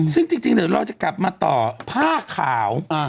ซึ่งจริงเราจะกลับมาต่อภาพข่าว